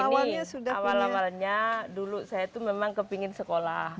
begini awal awalnya dulu saya tuh memang kepengen sekolah